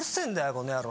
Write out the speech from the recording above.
この野郎！